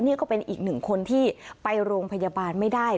นี่ก็เป็นอีกหนึ่งคนที่ไปโรงพยาบาลไม่ได้